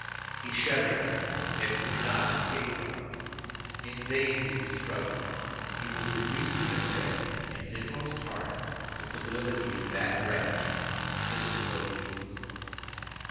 He shuddered at it, yet could not escape from it. In vain did he struggle, he was reduced to confess, in his inmost heart, the sublimity of that wretch. This was odious.